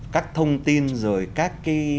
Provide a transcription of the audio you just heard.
các thông tin rồi các